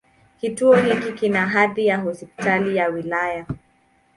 Kituo hiki kina hadhi ya Hospitali ya wilaya.